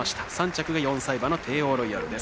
３着が４歳馬のテーオーロイヤル。